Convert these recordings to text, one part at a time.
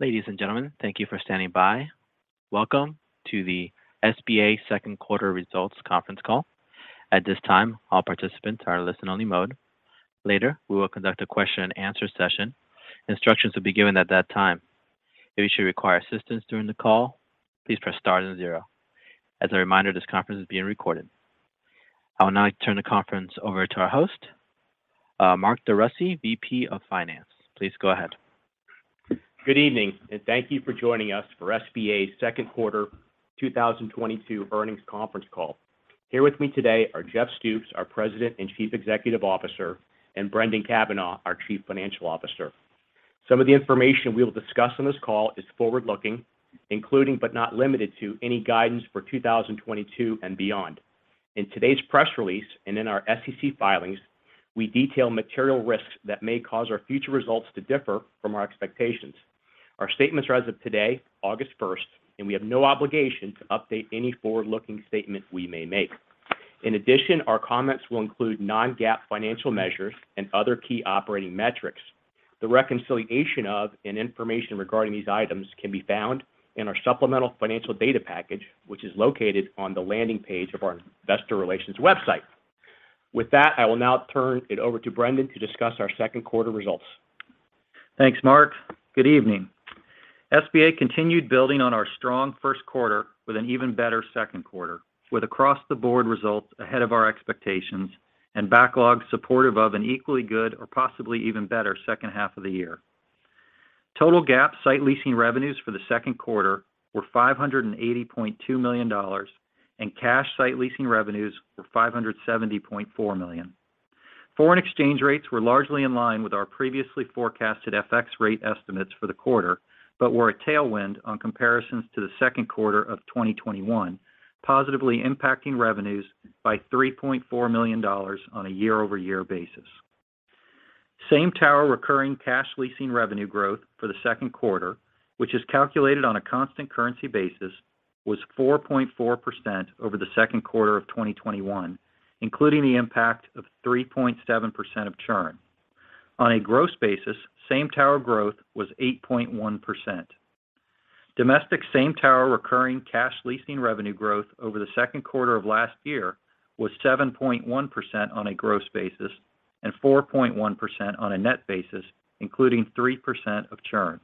Ladies and gentlemen, thank you for standing by. Welcome to the SBA second quarter results conference call. At this time, all participants are in listen only mode. Later, we will conduct a question-and-answer session. Instructions will be given at that time. If you should require assistance during the call, please press star then zero. As a reminder, this conference is being recorded. I will now turn the conference over to our host, Mark DeRussy, VP of Finance. Please go ahead. Good evening, and thank you for joining us for SBA's second quarter 2022 earnings conference call. Here with me today are Jeff Stoops, our President and Chief Executive Officer, and Brendan Cavanagh, our Chief Financial Officer. Some of the information we will discuss on this call is forward-looking, including, but not limited to, any guidance for 2022 and beyond. In today's press release and in our SEC filings, we detail material risks that may cause our future results to differ from our expectations. Our statements are as of today, August first, and we have no obligation to update any forward-looking statements we may make. In addition, our comments will include non-GAAP financial measures and other key operating metrics. The reconciliation of, and information regarding these items can be found in our supplemental financial data package, which is located on the landing page of our investor relations website. With that, I will now turn it over to Brendan to discuss our second quarter results. Thanks, Mark. Good evening. SBA continued building on our strong first quarter with an even better second quarter, with across the board results ahead of our expectations and backlogs supportive of an equally good or possibly even better second half of the year. Total GAAP site leasing revenues for the second quarter were $580.2 million, and cash site leasing revenues were $570.4 million. Foreign exchange rates were largely in line with our previously forecasted FX rate estimates for the quarter, but were a tailwind on comparisons to the second quarter of 2021, positively impacting revenues by $3.4 million on a year-over-year basis. Same-tower recurring cash leasing revenue growth for the second quarter, which is calculated on a constant currency basis, was 4.4% over the second quarter of 2021, including the impact of 3.7% of churn. On a gross basis, same-tower growth was 8.1%. Domestic same-tower recurring cash leasing revenue growth over the second quarter of last year was 7.1% on a gross basis and 4.1% on a net basis, including 3% of churn.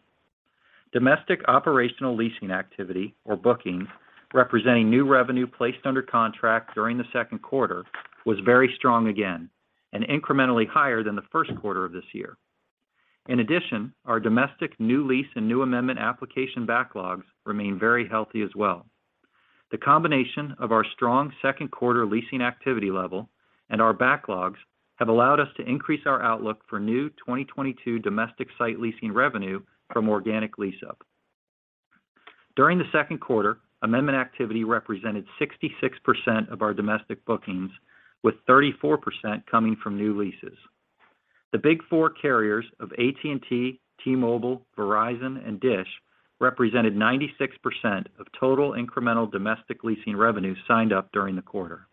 Domestic operational leasing activity or bookings, representing new revenue placed under contract during the second quarter, was very strong again and incrementally higher than the first quarter of this year. In addition, our domestic new lease and new amendment application backlogs remain very healthy as well. The combination of our strong second quarter leasing activity level and our backlogs have allowed us to increase our outlook for new 2022 domestic site leasing revenue from organic lease up. During the second quarter, amendment activity represented 66% of our domestic bookings, with 34% coming from new leases. The Big Four carriers of AT&T, T-Mobile, Verizon, and Dish represented 96% of total incremental domestic leasing revenue signed up during the quarter.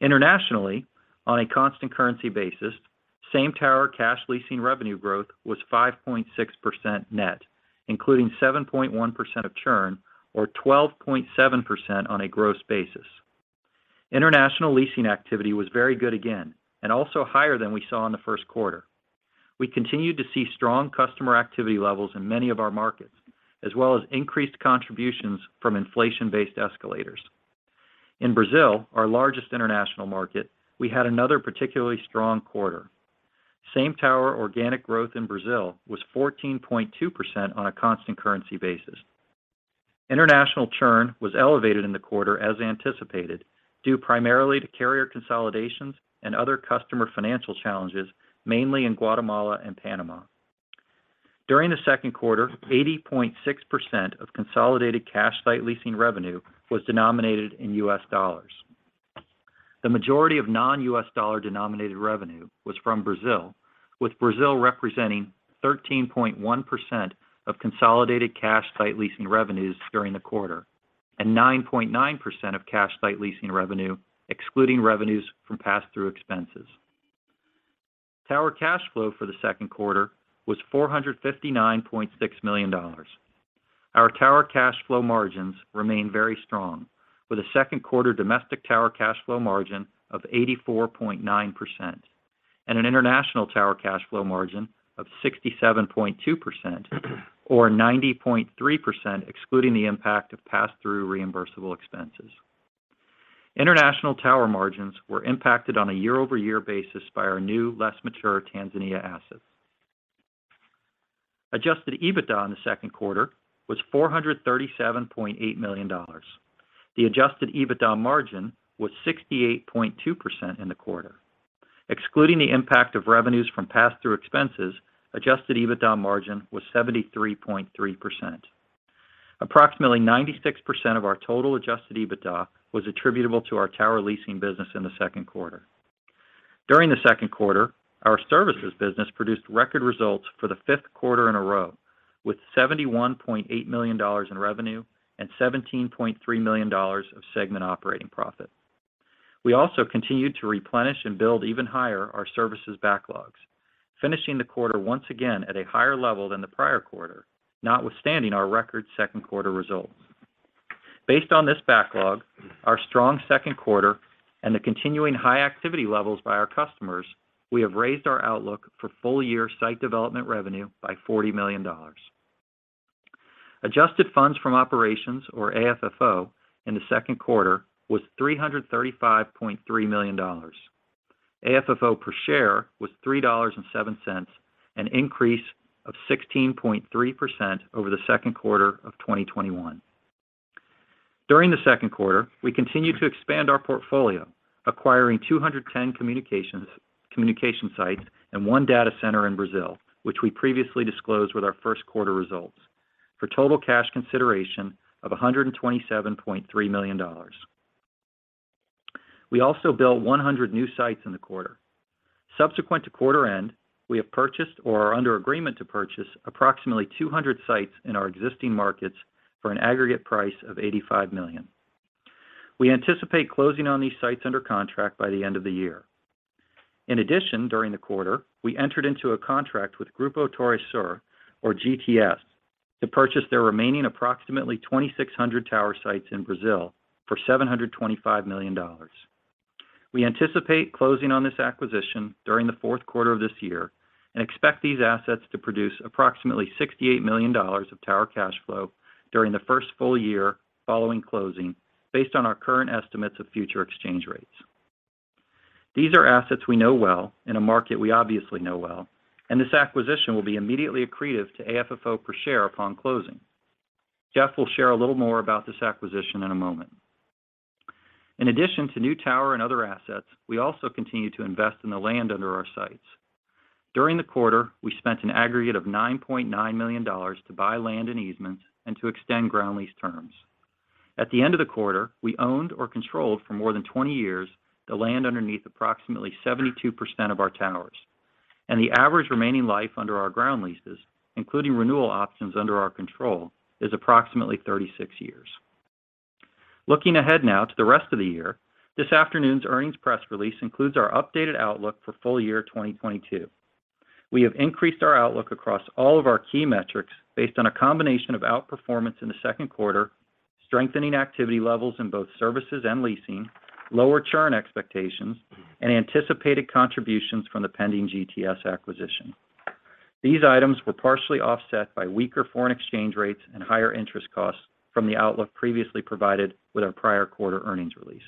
Internationally, on a constant currency basis, same-tower cash leasing revenue growth was 5.6% net, including 7.1% of churn or 12.7% on a gross basis. International leasing activity was very good again and also higher than we saw in the first quarter. We continued to see strong customer activity levels in many of our markets, as well as increased contributions from inflation-based escalators. In Brazil, our largest international market, we had another particularly strong quarter. Same tower organic growth in Brazil was 14.2% on a constant currency basis. International churn was elevated in the quarter as anticipated, due primarily to carrier consolidations and other customer financial challenges, mainly in Guatemala and Panama. During the second quarter, 80.6% of consolidated cash site leasing revenue was denominated in U.S. dollars. The majority of non-U.S. dollar denominated revenue was from Brazil, with Brazil representing 13.1% of consolidated cash site leasing revenues during the quarter and 9.9% of cash site leasing revenue excluding revenues from pass-through expenses. Tower cash flow for the second quarter was $459.6 million. Our tower cash flow margins remain very strong, with a second quarter domestic tower cash flow margin of 84.9% and an international tower cash flow margin of 67.2%, or 90.3% excluding the impact of pass-through reimbursable expenses. International tower margins were impacted on a year-over-year basis by our new, less mature Tanzania assets. Adjusted EBITDA in the second quarter was $437.8 million. The adjusted EBITDA margin was 68.2% in the quarter. Excluding the impact of revenues from pass-through expenses, adjusted EBITDA margin was 73.3%. Approximately 96% of our total adjusted EBITDA was attributable to our tower leasing business in the second quarter. During the second quarter, our services business produced record results for the fifth quarter in a row, with $71.8 million in revenue and $17.3 million of segment operating profit. We also continued to replenish and build even higher our services backlogs, finishing the quarter once again at a higher level than the prior quarter, notwithstanding our record second quarter results. Based on this backlog, our strong second quarter and the continuing high activity levels by our customers, we have raised our outlook for full-year site development revenue by $40 million. Adjusted funds from operations or AFFO in the second quarter was $335.3 million. AFFO per share was $3.07, an increase of 16.3% over the second quarter of 2021. During the second quarter, we continued to expand our portfolio, acquiring 210 communication sites and one data center in Brazil, which we previously disclosed with our first quarter results for total cash consideration of $127.3 million. We also built 100 new sites in the quarter. Subsequent to quarter end, we have purchased or are under agreement to purchase approximately 200 sites in our existing markets for an aggregate price of $85 million. We anticipate closing on these sites under contract by the end of the year. In addition, during the quarter, we entered into a contract with Grupo TorreSur or GTS to purchase their remaining approximately 2,600 tower sites in Brazil for $725 million. We anticipate closing on this acquisition during the fourth quarter of this year and expect these assets to produce approximately $68 million of tower cash flow during the first full year following closing, based on our current estimates of future exchange rates. These are assets we know well in a market we obviously know well, and this acquisition will be immediately accretive to AFFO per share upon closing. Jeff will share a little more about this acquisition in a moment. In addition to new tower and other assets, we also continue to invest in the land under our sites. During the quarter, we spent an aggregate of $9.9 million to buy land and easements and to extend ground lease terms. At the end of the quarter, we owned or controlled for more than 20 years the land underneath approximately 72% of our towers. The average remaining life under our ground leases, including renewal options under our control, is approximately 36 years. Looking ahead now to the rest of the year, this afternoon's earnings press release includes our updated outlook for full-year 2022. We have increased our outlook across all of our key metrics based on a combination of outperformance in the second quarter, strengthening activity levels in both services and leasing, lower churn expectations, and anticipated contributions from the pending GTS acquisition. These items were partially offset by weaker foreign exchange rates and higher interest costs from the outlook previously provided with our prior quarter earnings release.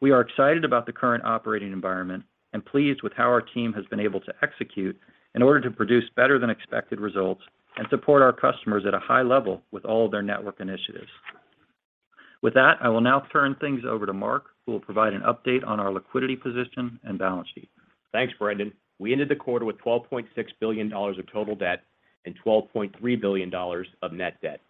We are excited about the current operating environment and pleased with how our team has been able to execute in order to produce better than expected results and support our customers at a high level with all of their network initiatives. With that, I will now turn things over to Mark DeRussy, who will provide an update on our liquidity position and balance sheet. Thanks, Brendan. We ended the quarter with $12.6 billion of total debt and $12.3 billion of net debt.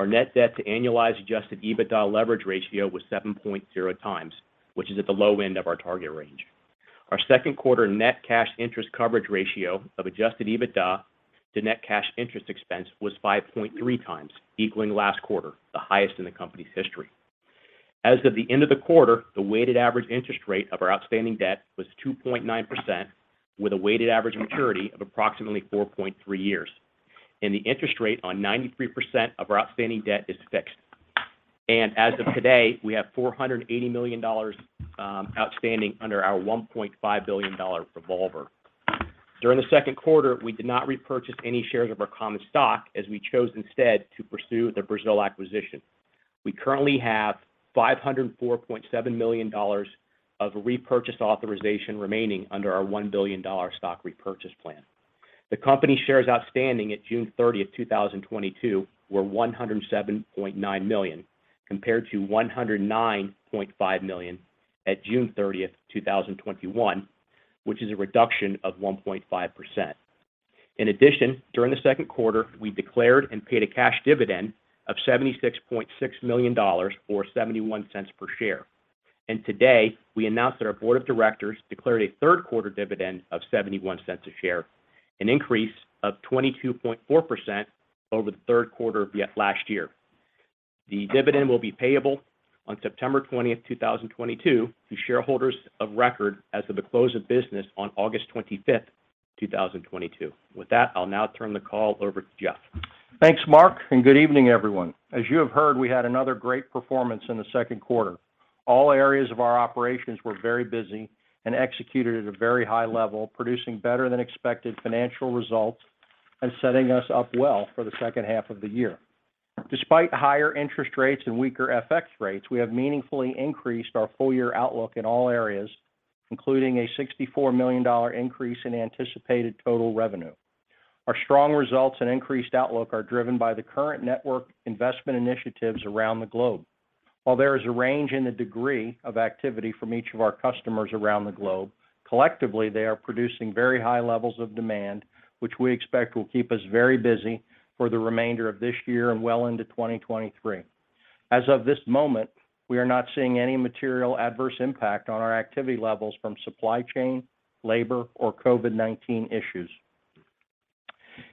Our net debt to annualized adjusted EBITDA leverage ratio was 7.0x, which is at the low end of our target range. Our second quarter net cash interest coverage ratio of adjusted EBITDA to net cash interest expense was 5.3x, equaling last quarter, the highest in the company's history. As of the end of the quarter, the weighted average interest rate of our outstanding debt was 2.9%, with a weighted average maturity of approximately 4.3 years. The interest rate on 93% of our outstanding debt is fixed. As of today, we have $480 million outstanding under our $1.5 billion revolver. During the second quarter, we did not repurchase any shares of our common stock as we chose instead to pursue the Brazil acquisition. We currently have $504.7 million of repurchase authorization remaining under our $1 billion stock repurchase plan. The company shares outstanding at June 30, 2022 were 107.9 million, compared to 109.5 million at June 30th, 2021, which is a reduction of 1.5%. In addition, during the second quarter, we declared and paid a cash dividend of $76.6 million, or $0.71 per share. Today we announced that our board of directors declared a third quarter dividend of $0.71 per share, an increase of 22.4% over the third quarter of last year. The dividend will be payable on September 20th, 2022 to shareholders of record as of the close of business on August 25th, 2022. With that, I'll now turn the call over to Jeff. Thanks, Mark, and good evening, everyone. As you have heard, we had another great performance in the second quarter. All areas of our operations were very busy and executed at a very high level, producing better than expected financial results and setting us up well for the second half of the year. Despite higher interest rates and weaker FX rates, we have meaningfully increased our full year outlook in all areas, including a $64 million increase in anticipated total revenue. Our strong results and increased outlook are driven by the current network investment initiatives around the globe. While there is a range in the degree of activity from each of our customers around the globe, collectively they are producing very high levels of demand, which we expect will keep us very busy for the remainder of this year and well into 2023. As of this moment, we are not seeing any material adverse impact on our activity levels from supply chain, labor, or COVID-19 issues.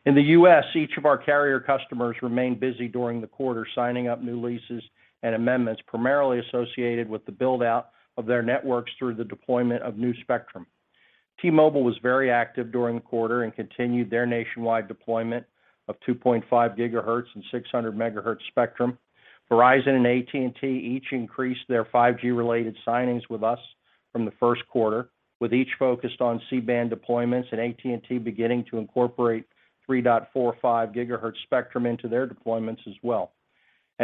In the U.S., each of our carrier customers remained busy during the quarter, signing up new leases and amendments primarily associated with the build-out of their networks through the deployment of new spectrum. T-Mobile was very active during the quarter and continued their nationwide deployment of 2.5 GHz and 600 MHz spectrum. Verizon and AT&T each increased their 5G-related signings with us from the first quarter, with each focused on C-band deployments and AT&T beginning to incorporate 3.45 GHz spectrum into their deployments as well.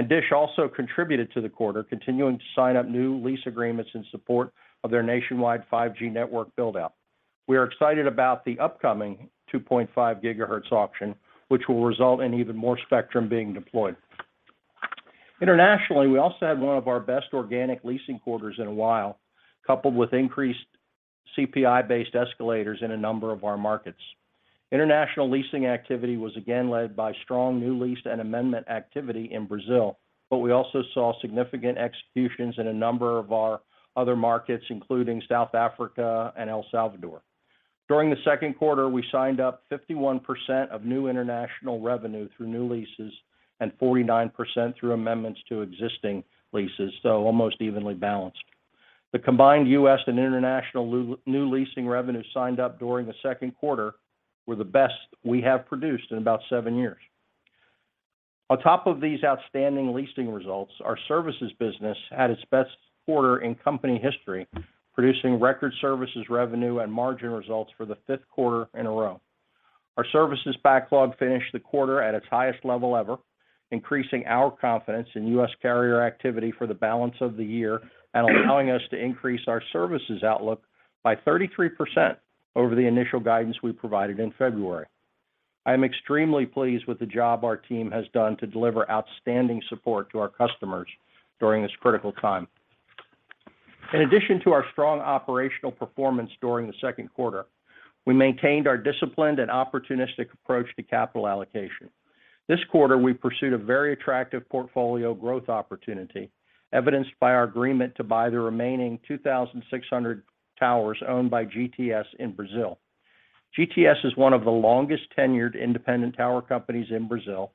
Dish also contributed to the quarter, continuing to sign up new lease agreements in support of their nationwide 5G network build-out. We are excited about the upcoming 2.5 GHz auction, which will result in even more spectrum being deployed. Internationally, we also had one of our best organic leasing quarters in a while, coupled with increased CPI-based escalators in a number of our markets. International leasing activity was again led by strong new lease and amendment activity in Brazil, but we also saw significant executions in a number of our other markets, including South Africa and El Salvador. During the second quarter, we signed up 51% of new international revenue through new leases and 49% through amendments to existing leases, so almost evenly balanced. The combined U.S. and international leasing revenue signed up during the second quarter were the best we have produced in about seven years. On top of these outstanding leasing results, our services business had its best quarter in company history, producing record services revenue and margin results for the fifth quarter in a row. Our services backlog finished the quarter at its highest level ever, increasing our confidence in U.S. carrier activity for the balance of the year and allowing us to increase our services outlook by 33% over the initial guidance we provided in February. I am extremely pleased with the job our team has done to deliver outstanding support to our customers during this critical time. In addition to our strong operational performance during the second quarter, we maintained our disciplined and opportunistic approach to capital allocation. This quarter, we pursued a very attractive portfolio growth opportunity, evidenced by our agreement to buy the remaining 2,600 towers owned by GTS in Brazil. GTS is one of the longest-tenured independent tower companies in Brazil,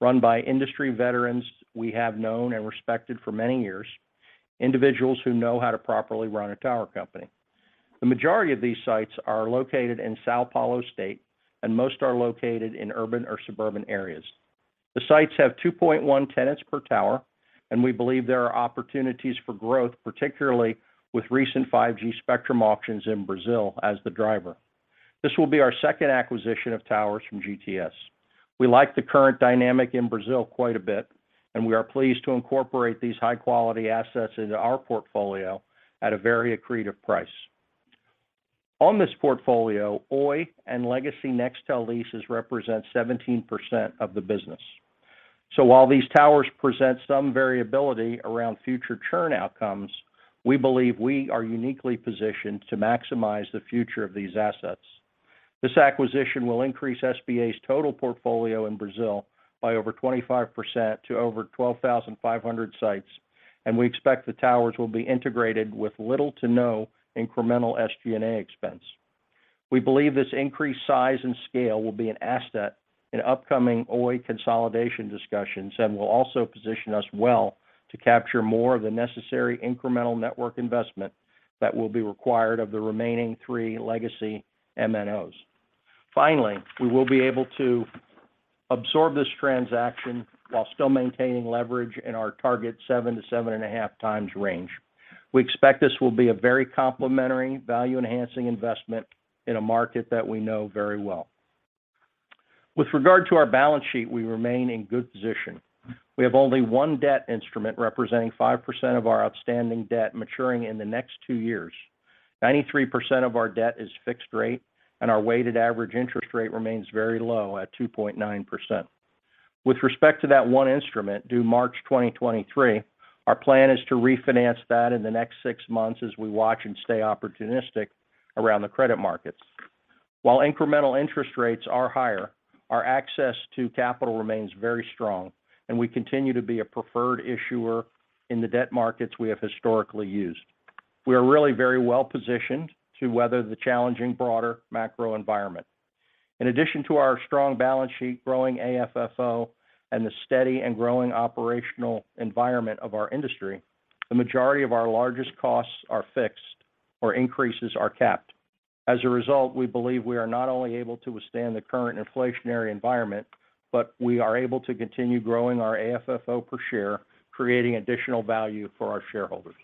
run by industry veterans we have known and respected for many years, individuals who know how to properly run a tower company. The majority of these sites are located in São Paulo State, and most are located in urban or suburban areas. The sites have 2.1 tenants per tower, and we believe there are opportunities for growth, particularly with recent 5G spectrum auctions in Brazil as the driver. This will be our second acquisition of towers from GTS. We like the current dynamic in Brazil quite a bit, and we are pleased to incorporate these high-quality assets into our portfolio at a very accretive price. On this portfolio, Oi and legacy Nextel leases represent 17% of the business. While these towers present some variability around future churn outcomes, we believe we are uniquely positioned to maximize the future of these assets. This acquisition will increase SBA's total portfolio in Brazil by over 25% to over 12,500 sites, and we expect the towers will be integrated with little to no incremental SG&A expense. We believe this increased size and scale will be an asset in upcoming Oi consolidation discussions and will also position us well to capture more of the necessary incremental network investment that will be required of the remaining three legacy MNOs. Finally, we will be able to absorb this transaction while still maintaining leverage in our target 7.0x-7.5x range. We expect this will be a very complementary, value-enhancing investment in a market that we know very well. With regard to our balance sheet, we remain in good position. We have only one debt instrument representing 5% of our outstanding debt maturing in the next two years. 93% of our debt is fixed-rate, and our weighted average interest rate remains very low at 2.9%. With respect to that one instrument due March 2023, our plan is to refinance that in the next six months as we watch and stay opportunistic around the credit markets. While incremental interest rates are higher, our access to capital remains very strong, and we continue to be a preferred issuer in the debt markets we have historically used. We are really very well-positioned to weather the challenging broader macro environment. In addition to our strong balance sheet, growing AFFO, and the steady and growing operational environment of our industry, the majority of our largest costs are fixed or increases are capped. As a result, we believe we are not only able to withstand the current inflationary environment, but we are able to continue growing our AFFO per share, creating additional value for our shareholders.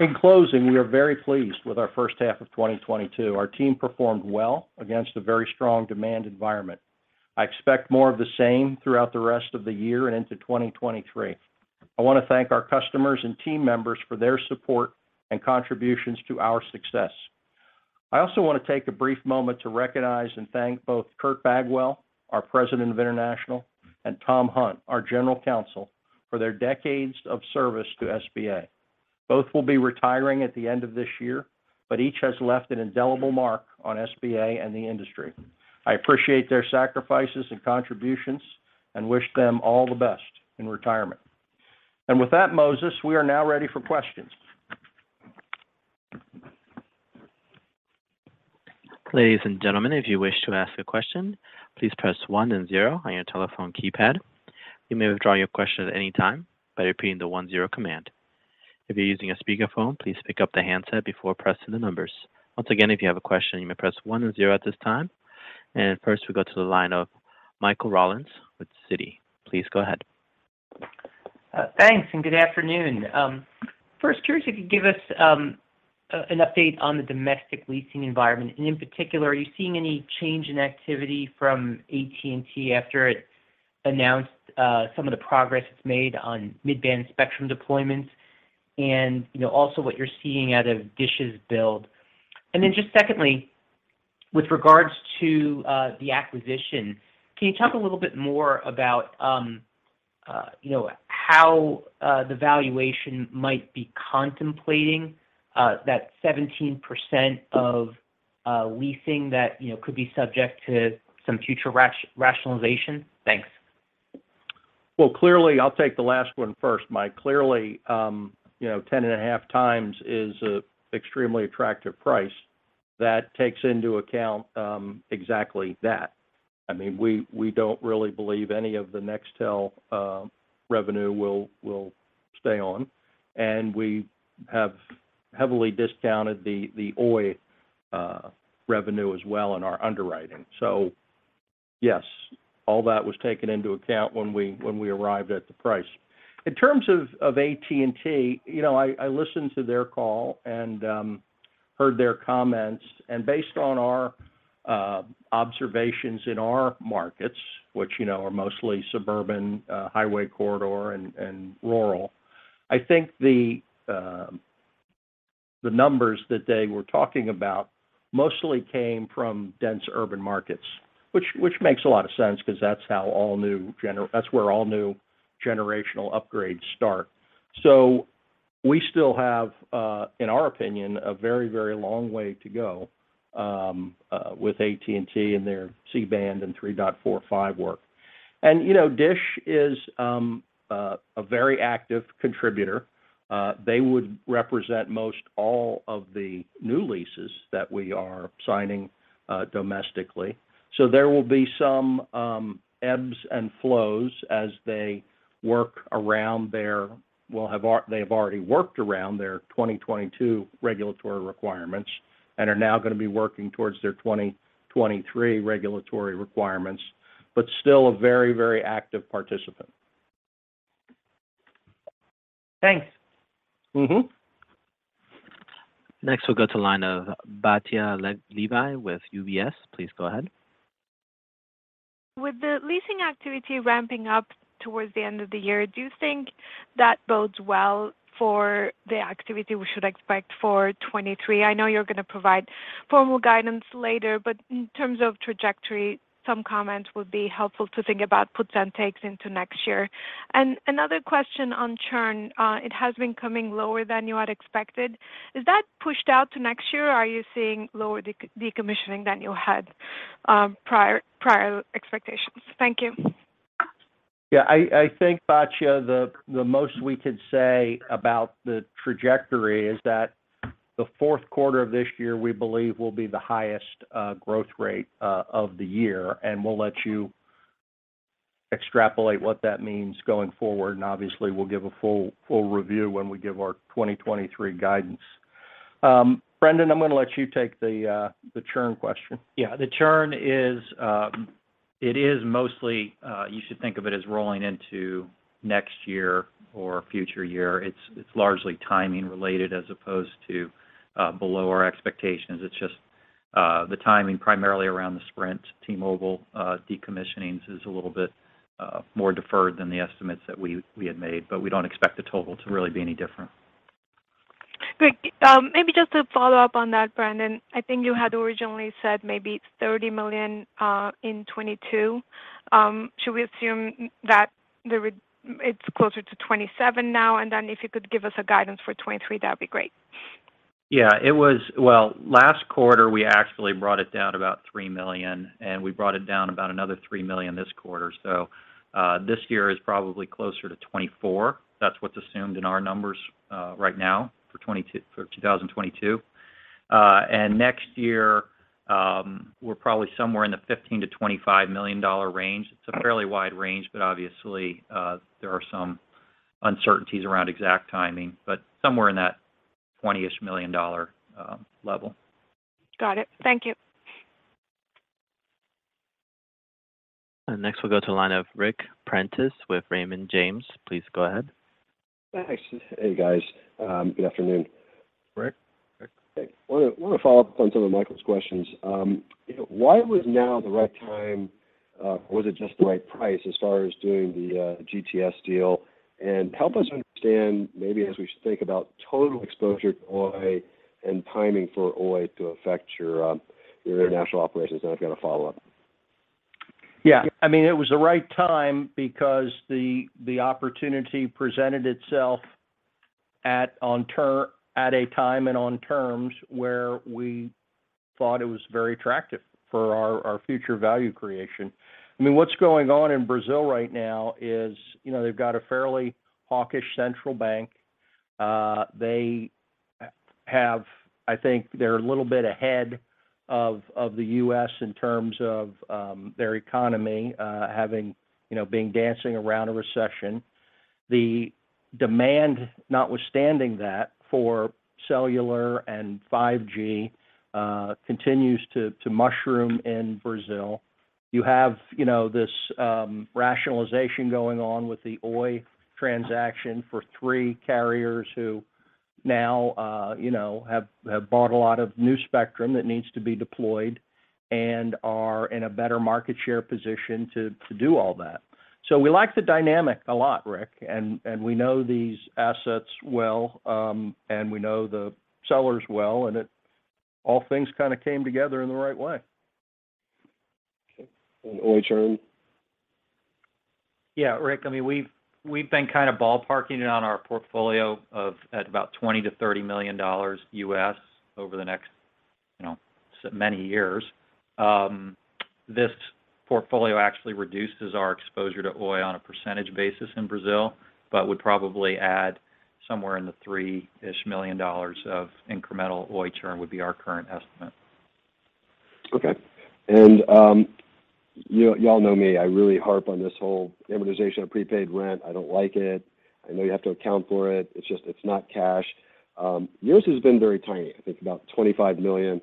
In closing, we are very pleased with our first half of 2022. Our team performed well against a very strong demand environment. I expect more of the same throughout the rest of the year and into 2023. I want to thank our customers and team members for their support and contributions to our success. I also want to take a brief moment to recognize and thank both Kurt Bagwell, our President of International, and Tom Hunt, our General Counsel, for their decades of service to SBA. Both will be retiring at the end of this year, but each has left an indelible mark on SBA and the industry. I appreciate their sacrifices and contributions and wish them all the best in retirement. With that, Moses, we are now ready for questions. Ladies and gentlemen, if you wish to ask a question, please press one and zero on your telephone keypad. You may withdraw your question at any time by repeating the one-zero command. If you're using a speakerphone, please pick up the handset before pressing the numbers. Once again, if you have a question, you may press one zero at this time. First we go to the line of Michael Rollins with Citi. Please go ahead. Thanks, and good afternoon. First, curious if you could give us an update on the domestic leasing environment, and in particular, are you seeing any change in activity from AT&T after it announced some of the progress it's made on mid-band spectrum deployments and, you know, also what you're seeing out of Dish's build. Just secondly, with regards to the acquisition, can you talk a little bit more about, you know, how the valuation might be contemplating that 17% of leasing that, you know, could be subject to some future rationalization? Thanks. Well, clearly. I'll take the last one first, Mike. Clearly, you know, 10.5x is a extremely attractive price that takes into account exactly that. I mean, we don't really believe any of the Nextel revenue will stay on, and we have heavily discounted the Oi revenue as well in our underwriting. Yes, all that was taken into account when we arrived at the price. In terms of AT&T, you know, I listened to their call and heard their comments, and based on our observations in our markets, which, you know, are mostly suburban, highway corridor, and rural, I think the numbers that they were talking about mostly came from dense urban markets, which makes a lot of sense because that's how all new gener That's where all new generational upgrades start. We still have, in our opinion, a very, very long way to go with AT&T and their C-band and 3.45 GHz work. You know, Dish is a very active contributor. They would represent most all of the new leases that we are signing domestically. There will be some ebbs and flows. They have already worked around their 2022 regulatory requirements and are now gonna be working towards their 2023 regulatory requirements, but still a very, very active participant. Thanks. Mm-hmm. Next, we'll go to line of Batya Levi with UBS. Please go ahead. With the leasing activity ramping up towards the end of the year, do you think that bodes well for the activity we should expect for 2023? I know you're gonna provide formal guidance later, but in terms of trajectory, some comments would be helpful to think about puts and takes into next year. Another question on churn. It has been coming lower than you had expected. Is that pushed out to next year, or are you seeing lower decommissioning than you had prior expectations? Thank you. Yeah, I think, Batya, the most we could say about the trajectory is that the fourth quarter of this year, we believe, will be the highest growth rate of the year, and we'll let you extrapolate what that means going forward, and obviously, we'll give a full review when we give our 2023 guidance. Brendan, I'm gonna let you take the churn question. Yeah. The churn is, it is mostly, you should think of it as rolling into next year or future year. It's largely timing related as opposed to, below our expectations. It's just, the timing primarily around the Sprint/T-Mobile decommissioning is a little bit more deferred than the estimates that we had made, but we don't expect the total to really be any different. Great. Maybe just to follow up on that, Brendan, I think you had originally said maybe $30 million in 2022. Should we assume that it's closer to $27 million now? Then if you could give us guidance for 2023, that'd be great. Yeah. It was. Well, last quarter, we actually brought it down about $3 million, and we brought it down about another $3 million this quarter. This year is probably closer to $24 million. That's what's assumed in our numbers, right now, for 2022. And next year, we're probably somewhere in the $15 million-$25 million range. It's a fairly wide range, but obviously, there are some uncertainties around exact timing, but somewhere in that $20 million level. Got it. Thank you. Next we'll go to the line of Ric Prentiss with Raymond James. Please go ahead. Thanks. Hey, guys. Good afternoon. Ric. Hey. Wanna follow up on some of Michael's questions. Why was now the right time, or was it just the right price as far as doing the GTS deal? Help us understand maybe as we think about total exposure to Oi and timing for Oi to affect your international operations. I've got a follow-up. Yeah. I mean, it was the right time because the opportunity presented itself at a time and on terms where we thought it was very attractive for our future value creation. I mean, what's going on in Brazil right now is, you know, they've got a fairly hawkish central bank. I think they're a little bit ahead of the U.S. in terms of their economy having, you know, been dancing around a recession. The demand, notwithstanding that, for cellular and 5G continues to mushroom in Brazil. You have, you know, this rationalization going on with the Oi transaction for three carriers who now, you know, have bought a lot of new spectrum that needs to be deployed and are in a better market share position to do all that. We like the dynamic a lot, Ric, and we know these assets well, and we know the sellers well, and all things kinda came together in the right way. Okay. Oi churn? Yeah, Ric, I mean, we've been kind of ballparking it on our portfolio at about $20 million-$30 million over the next, you know, many years. This portfolio actually reduces our exposure to Oi on a percentage basis in Brazil, but would probably add somewhere in the $3 million of incremental Oi churn, would be our current estimate. Okay. You all know me, I really harp on this whole amortization of prepaid rent. I don't like it. I know you have to account for it. It's just, it's not cash. Yours has been very tiny, I think about $25 million.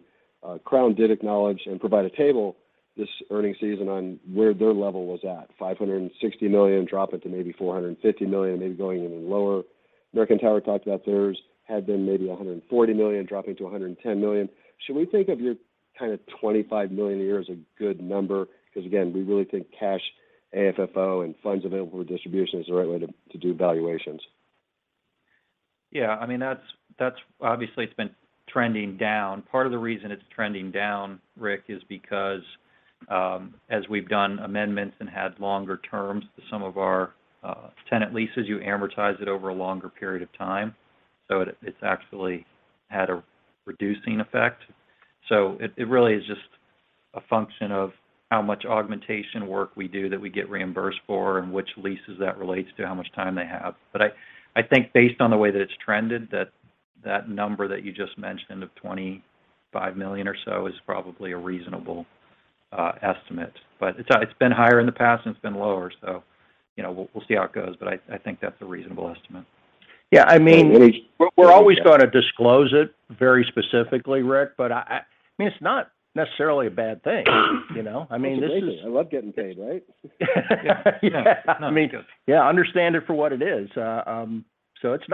Crown did acknowledge and provide a table this earnings season on where their level was at, $560 million, dropping to maybe $450 million, maybe going even lower. American Tower talked about theirs, had been maybe $140 million, dropping to $110 million. Should we think of your kind of $25 million a year as a good number? 'Cause again, we really think cash AFFO and funds available for distribution is the right way to do valuations. Yeah, I mean, that's obviously. It's been trending down. Part of the reason it's trending down, Ric, is because as we've done amendments and had longer terms to some of our tenant leases, you amortize it over a longer period of time, so it's actually had a reducing effect. It really is just a function of how much augmentation work we do that we get reimbursed for and which leases that relates to, how much time they have. I think based on the way that it's trended, that number that you just mentioned of $25 million or so is probably a reasonable estimate. It's been higher in the past, and it's been lower, so you know, we'll see how it goes, but I think that's a reasonable estimate. Yeah. I mean, we're always gonna disclose it very specifically, Ric, but I mean, it's not necessarily a bad thing, you know? I mean, this is. I love getting paid, right? Yeah. I mean, yeah, understand it for what it is. It's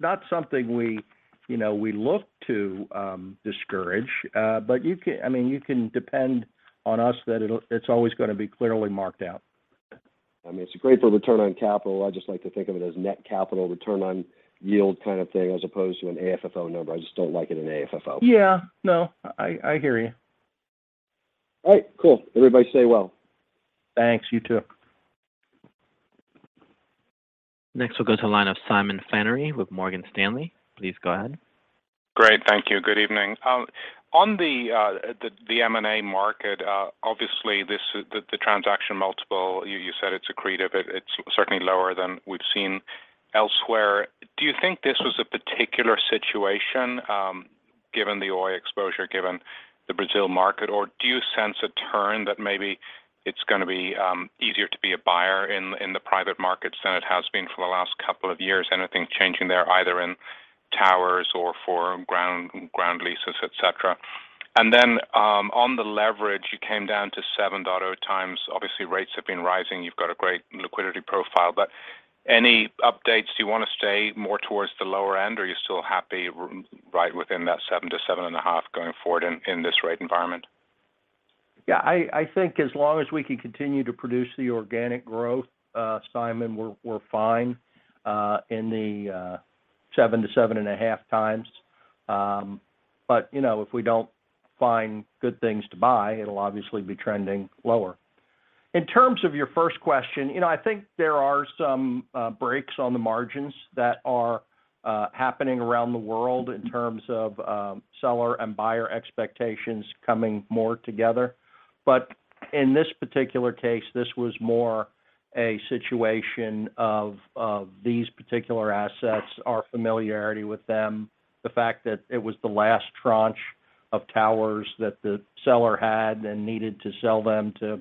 not something we, you know, we look to discourage. I mean, you can depend on us that it's always gonna be clearly marked out. I mean, it's a great return on capital. I just like to think of it as net capital return on yield kind of thing as opposed to an AFFO number. I just don't like it in AFFO. Yeah. No, I hear you. All right, cool. Everybody stay well. Thanks. You too. Next, we'll go to the line of Simon Flannery with Morgan Stanley. Please go ahead. Great. Thank you. Good evening. On the M&A market, obviously the transaction multiple, you said it's accretive. It's certainly lower than we've seen elsewhere. Do you think this was a particular situation, given the Oi exposure, given the Brazil market, or do you sense a turn that maybe it's gonna be easier to be a buyer in the private markets than it has been for the last couple of years? Anything changing there, either in towers or for ground leases, et cetera. On the leverage, you came down to 7.0x. Obviously, rates have been rising. You've got a great liquidity profile. Any updates, do you wanna stay more towards the lower end, or are you still happy right within that 7.0x-7.5x going forward in this rate environment? Yeah. I think as long as we can continue to produce the organic growth, Simon, we're fine in the 7.0x-7.5x. You know, if we don't find good things to buy, it'll obviously be trending lower. In terms of your first question, you know, I think there are some brakes on the margins that are happening around the world in terms of seller and buyer expectations coming more together. In this particular case, this was more a situation of these particular assets, our familiarity with them, the fact that it was the last tranche of towers that the seller had and needed to sell them to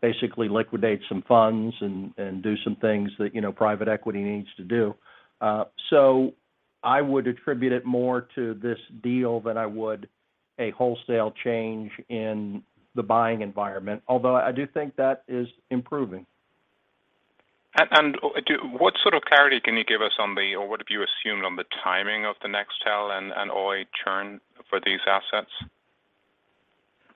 basically liquidate some funds and do some things that, you know, private equity needs to do. I would attribute it more to this deal than I would a wholesale change in the buying environment. Although, I do think that is improving. What sort of clarity can you give us on the, or what have you assumed on the timing of the Nextel and Oi churn for these assets?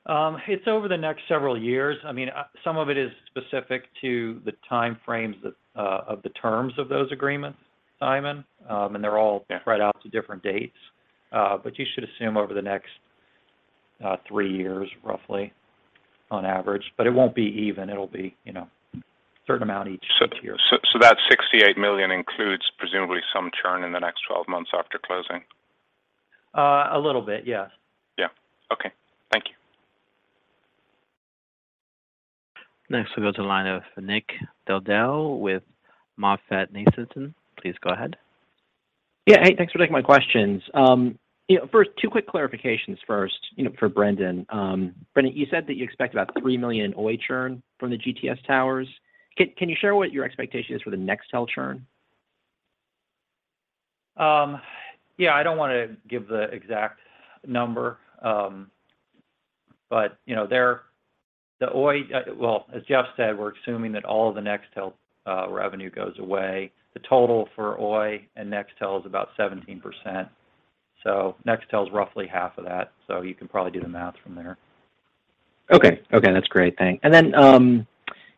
It's over the next several years. I mean, some of it is specific to the time frames that of the terms of those agreements, Simon. They're all spread out to different dates. You should assume over the next three years, roughly. On average, but it won't be even. It'll be, you know, a certain amount each year. That $68 million includes presumably some churn in the next 12 months after closing. A little bit, yes. Yeah. Okay. Thank you. Next, we'll go to the line of Nick Del Deo with MoffettNathanson. Please go ahead. Yeah. Hey, thanks for taking my questions. Yeah, first, two quick clarifications first, you know, for Brendan. Brendan, you said that you expect about $3 million Oi churn from the GTS towers. Can you share what your expectation is for the Nextel churn? Yeah, I don't wanna give the exact number. But, you know, the Oi, well, as Jeff said, we're assuming that all of the Nextel revenue goes away. The total for Oi and Nextel is about 17%. Nextel is roughly half of that, so you can probably do the math from there. Okay. Okay, that's great. Thanks. Then,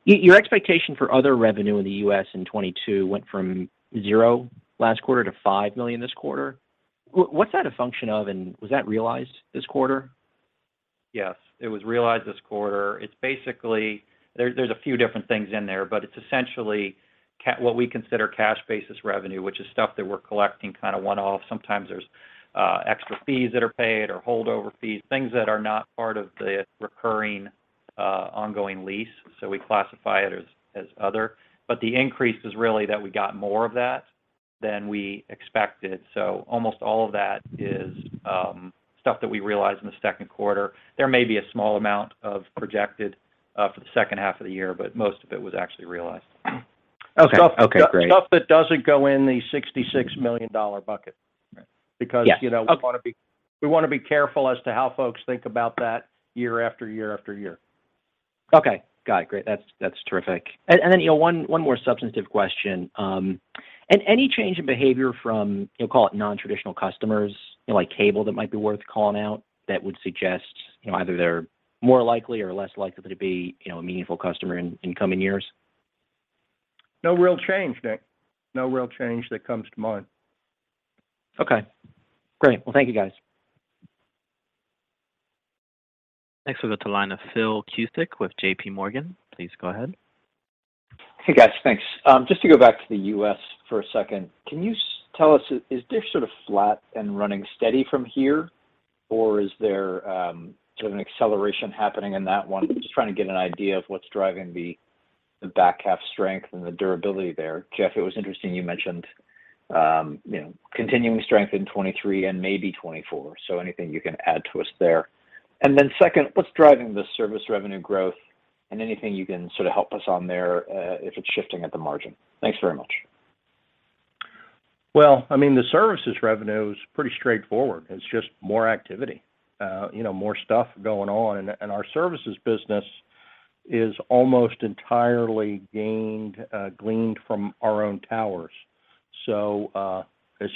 your expectation for other revenue in the U.S. in 2022 went from $0 last quarter to $5 million this quarter. What's that a function of, and was that realized this quarter? Yes, it was realized this quarter. It's basically—there's a few different things in there, but it's essentially what we consider cash-basis revenue, which is stuff that we're collecting kinda one-off. Sometimes there's extra fees that are paid or holdover fees, things that are not part of the recurring, ongoing lease, so we classify it as other. But the increase is really that we got more of that than we expected. Almost all of that is stuff that we realized in the second quarter. There may be a small amount of projected for the second half of the year, but most of it was actually realized. Okay. Okay, great. Stuff that doesn't go in the $66 million bucket. Right. Yeah. Okay. Because, you know, we wanna be careful as to how folks think about that year after year after year. Okay. Got it. Great. That's terrific. You know, one more substantive question. Any change in behavior from, you know, call it non-traditional customers, you know, like cable, that might be worth calling out that would suggest, you know, either they're more likely or less likely to be, you know, a meaningful customer in coming years? No real change, Nick. No real change that comes to mind. Okay, great. Well, thank you, guys. Next we'll go to line of Philip Cusick with JPMorgan. Please go ahead. Hey, guys. Thanks. Just to go back to the U.S. for a second. Can you tell us, is there sort of flat and running steady from here, or is there sort of an acceleration happening in that one? Just trying to get an idea of what's driving the back half strength and the durability there. Jeff, it was interesting you mentioned, you know, continuing strength in 2023 and maybe 2024. Anything you can add to us there. Second, what's driving the service revenue growth, and anything you can sort of help us on there, if it's shifting at the margin? Thanks very much. Well, I mean, the services revenue is pretty straightforward. It's just more activity. You know, more stuff going on. Our services business is almost entirely gleaned from our own towers. It's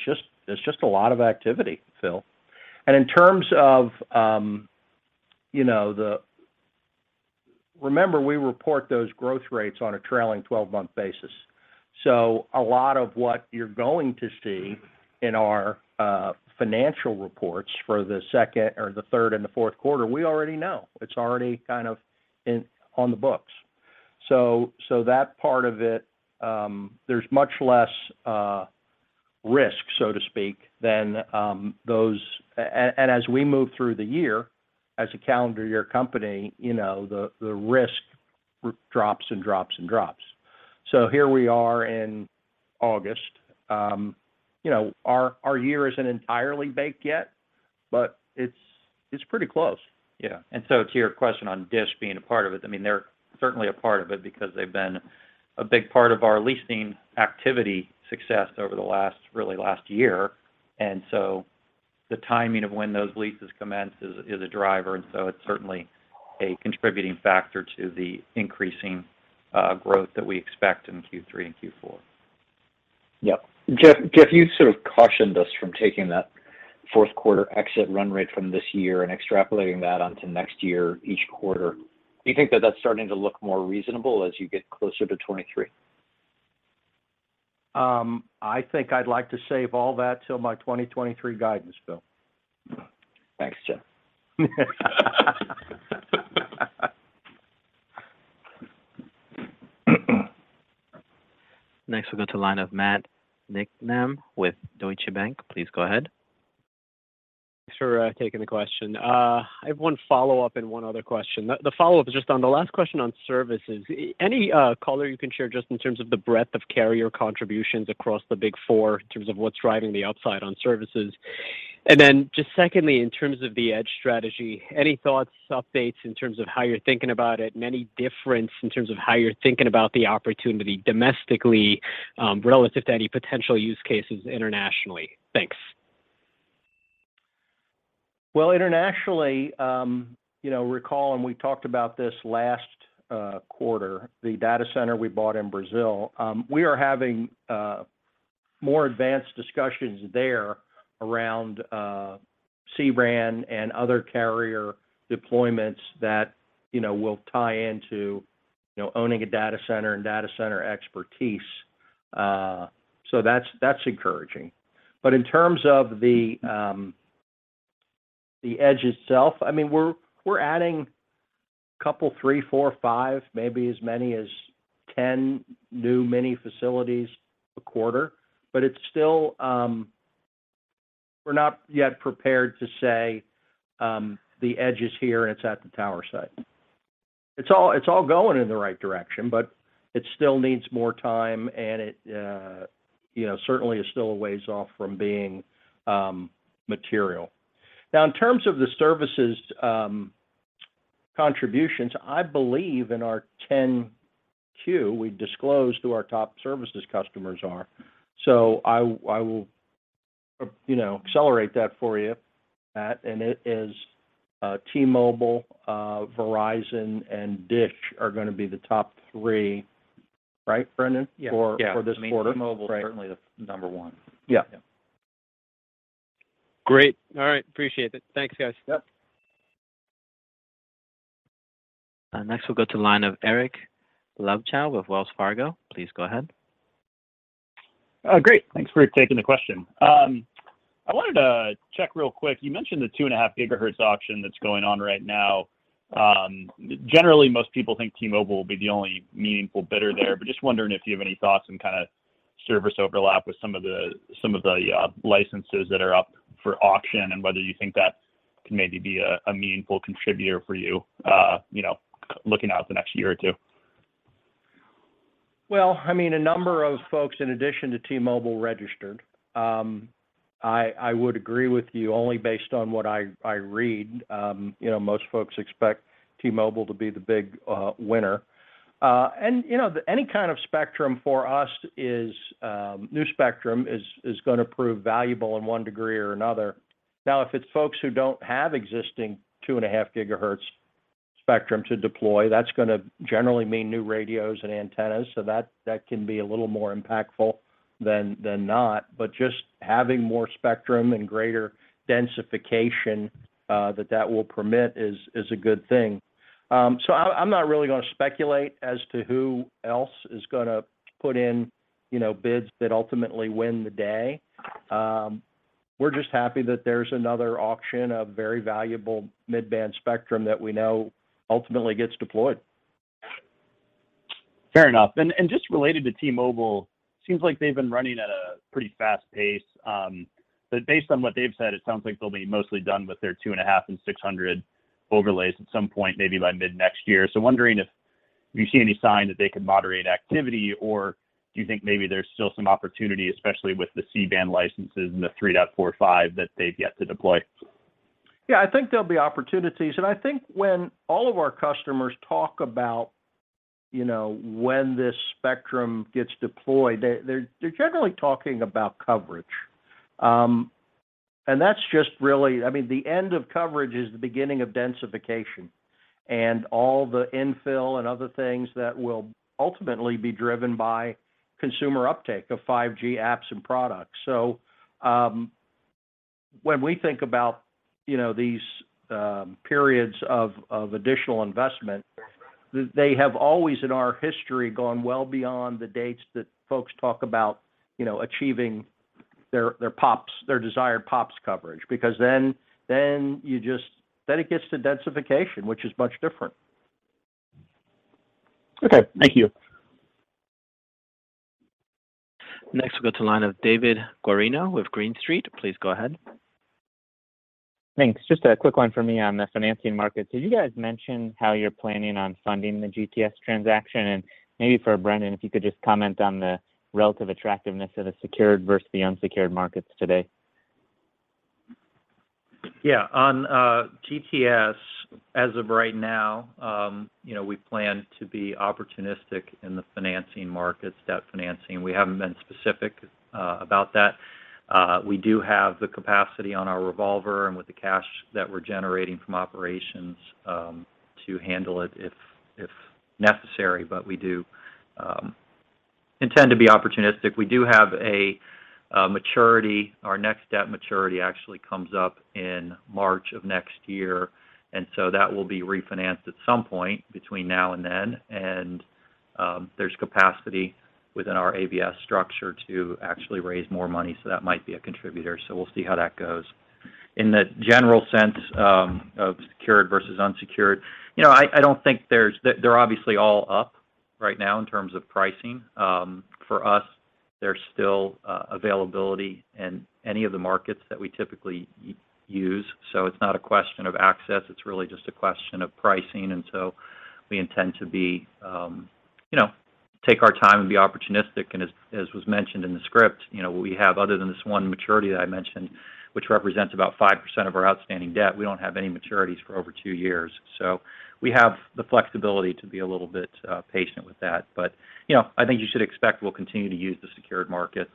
just a lot of activity, Phil. In terms of, you know, the remember, we report those growth rates on a trailing 12-month basis. A lot of what you're going to see in our financial reports for the second or the third and the fourth quarter, we already know. It's already kind of in on the books. That part of it, there's much less risk, so to speak, than those. As we move through the year as a calendar year company, you know, the risk drops. Here we are in August. You know, our year isn't entirely baked yet, but it's pretty close. Yeah. To your question on Dish being a part of it, I mean, they're certainly a part of it because they've been a big part of our leasing activity success over the last, really last year. The timing of when those leases commence is a driver, and it's certainly a contributing factor to the increasing growth that we expect in Q3 and Q4. Yeah. Jeff, you sort of cautioned us from taking that fourth quarter exit run rate from this year and extrapolating that onto next year each quarter. Do you think that that's starting to look more reasonable as you get closer to 2023? I think I'd like to save all that till my 2023 guidance, Phil. Thanks, Jeff. Next we'll go to the line of Matt Niknam with Deutsche Bank. Please go ahead. Thanks for taking the question. I have one follow-up and one other question. The follow-up is just on the last question on services. Any color you can share just in terms of the breadth of carrier contributions across the Big Four in terms of what's driving the upside on services? Then just secondly, in terms of the edge strategy, any thoughts, updates in terms of how you're thinking about it and any difference in terms of how you're thinking about the opportunity domestically, relative to any potential use cases internationally? Thanks. Well, internationally, you know, recall, and we talked about this last quarter, the data center we bought in Brazil, we are having more advanced discussions there around C-RAN and other carrier deployments that, you know, will tie into, you know, owning a data center and data center expertise. So that's encouraging. But in terms of the edge itself, I mean, we're adding a couple, three, four, five, maybe as many as 10 new mini-facilities a quarter. But it's still, we're not yet prepared to say the edge is here, and it's at the tower site. It's all going in the right direction, but it still needs more time, and it, you know, certainly is still a ways off from being material. Now, in terms of the services, contributions, I believe, in our 10-Q, we disclose who our top services customers are. I will, you know, accelerate that for you, Matt, and it is, T-Mobile, Verizon, and Dish are gonna be the top three. Right, Brendan? Yeah. For this quarter. I mean, T-Mobile is certainly the number one. Yeah. Yeah. Great. All right. Appreciate it. Thanks, guys. Yep. Next we'll go to the line of Eric Luebchow with Wells Fargo. Please go ahead. Great. Thanks for taking the question. I wanted to check real quick, you mentioned the 2.5 GHz auction that's going on right now. Generally, most people think T-Mobile will be the only meaningful bidder there. Just wondering if you have any thoughts and kinda service overlap with some of the licenses that are up for auction and whether you think that can maybe be a meaningful contributor for you know, looking out the next year or two. Well, I mean, a number of folks in addition to T-Mobile registered. I would agree with you only based on what I read. You know, most folks expect T-Mobile to be the big winner. You know, any kind of spectrum for us is new spectrum gonna prove valuable in one degree or another. Now, if it's folks who don't have existing 2.5 GHz spectrum to deploy, that's gonna generally mean new radios and antennas. That can be a little more impactful than not. Just having more spectrum and greater densification that will permit is a good thing. I'm not really gonna speculate as to who else is gonna put in, you know, bids that ultimately win the day. We're just happy that there's another auction of very valuable mid-band spectrum that we know ultimately gets deployed. Fair enough. Just related to T-Mobile, seems like they've been running at a pretty fast pace. Based on what they've said, it sounds like they'll be mostly done with their 2.5 GHz and 600 MHz overlays at some point, maybe by mid-next year. Wondering if you see any sign that they could moderate activity, or do you think maybe there's still some opportunity, especially with the C-band licenses and the 3.45 GHz that they've yet to deploy? Yeah, I think there'll be opportunities. I think when all of our customers talk about, you know, when this spectrum gets deployed, they're generally talking about coverage. That's just really, I mean, the end of coverage is the beginning of densification and all the infill and other things that will ultimately be driven by consumer uptake of 5G apps and products. When we think about, you know, these periods of additional investment, they have always in our history gone well beyond the dates that folks talk about, you know, achieving their pops, their desired pops coverage. Because then it gets to densification, which is much different. Okay. Thank you. Next we'll go to line of David Guarino with Green Street. Please go ahead. Thanks. Just a quick one for me on the financing markets. Did you guys mention how you're planning on funding the GTS transaction? Maybe for Brendan, if you could just comment on the relative attractiveness of the secured versus the unsecured markets today. Yeah. On GTS, as of right now, you know, we plan to be opportunistic in the financing markets, debt financing. We haven't been specific about that. We do have the capacity on our revolver and with the cash that we're generating from operations to handle it if necessary. We do intend to be opportunistic. We do have a maturity. Our next debt maturity actually comes up in March of next year, and so that will be refinanced at some point between now and then. There's capacity within our ABS structure to actually raise more money, so that might be a contributor, so we'll see how that goes. In the general sense of secured versus unsecured, you know, I don't think there's. They're obviously all up right now in terms of pricing. For us, there's still availability in any of the markets that we typically use. It's not a question of access, it's really just a question of pricing. We intend to be, you know, take our time and be opportunistic. As was mentioned in the script, you know, we have, other than this one maturity that I mentioned, which represents about 5% of our outstanding debt, we don't have any maturities for over two years. We have the flexibility to be a little bit patient with that. You know, I think you should expect we'll continue to use the secured markets,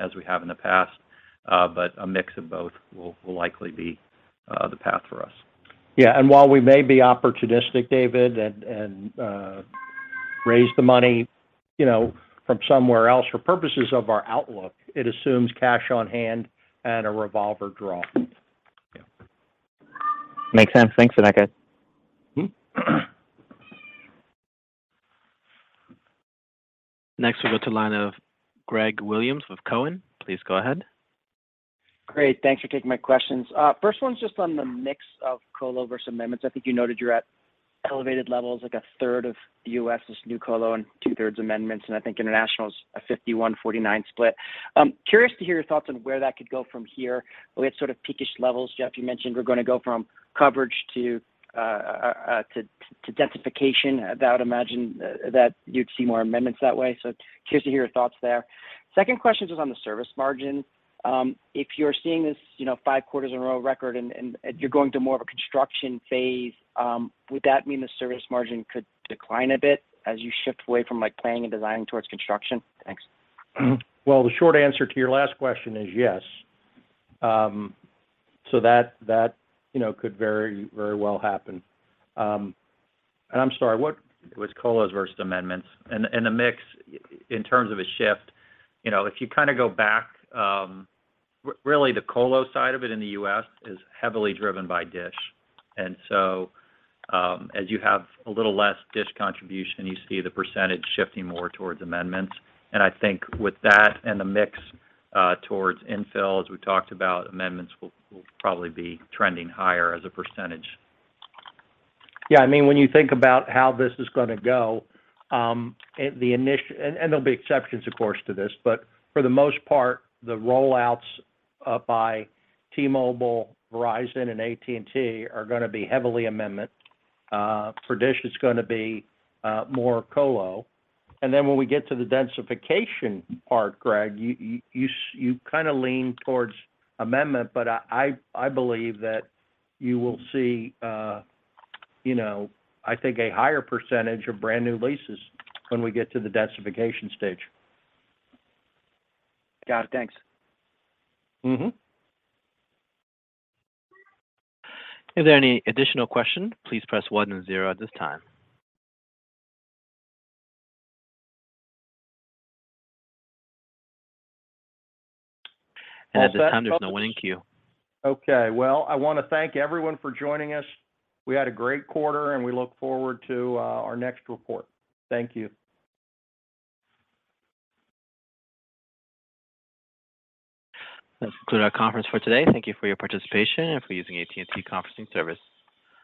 as we have in the past. A mix of both will likely be the path for us. Yeah. While we may be opportunistic, David, and raise the money, you know, from somewhere else, for purposes of our outlook, it assumes cash on hand and a revolver draw. Makes sense. Thanks for that, guys. Next, we'll go to line of Greg Williams with Cowen. Please go ahead. Great. Thanks for taking my questions. First one's just on the mix of colo versus amendments. I think you noted you're at elevated levels, like 1/3 of the U.S. is new colo and 2/3 amendments, and I think international is a 51/49 split. Curious to hear your thoughts on where that could go from here. We had sort of peak-ish levels. Jeff, you mentioned we're gonna go from coverage to densification. That would imagine that you'd see more amendments that way. Curious to hear your thoughts there. Second question is on the service margin. If you're seeing this, you know, five quarters in a row record and you're going to more of a construction phase, would that mean the service margin could decline a bit as you shift away from, like, planning and designing towards construction? Thanks. Well, the short answer to your last question is yes. So that, you know, could very, very well happen. And I'm sorry, what- It was colos versus amendments. The mix in terms of a shift, you know, if you kinda go back, really the colo side of it in the U.S. is heavily driven by Dish. As you have a little less Dish contribution, you see the percentage shifting more towards amendments. I think with that and the mix towards infill, as we talked about, amendments will probably be trending higher as a percentage. Yeah. I mean, when you think about how this is gonna go, and there'll be exceptions of course to this, but for the most part, the roll-outs by T-Mobile, Verizon, and AT&T are gonna be heavily amendment. For Dish, it's gonna be more colo. Then when we get to the densification part, Greg, you kinda lean towards amendment, but I believe that you will see, you know, I think a higher percentage of brand new leases when we get to the densification stage. Got it. Thanks. Mm-hmm. Is there any additional question? Please press one and zero at this time. At this time, there's no one in queue. Okay. Well, I wanna thank everyone for joining us. We had a great quarter, and we look forward to our next report. Thank you. That concludes our conference for today. Thank you for your participation and for using AT&T Conferencing service.